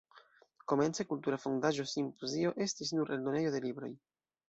Komence, Kultura Fondaĵo Simpozio estis nur eldonejo de libroj.